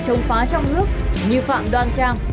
chống phá trong nước như phạm đoan trang